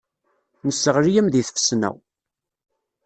Nesseɣli-am deg tfesna.